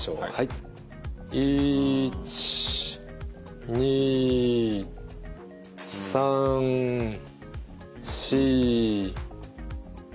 １２３４５。